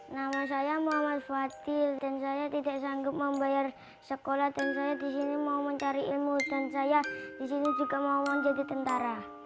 nama saya muhammad fatil dan saya tidak sanggup membayar sekolah dan saya di sini mau mencari ilmu dan saya disini juga mau jadi tentara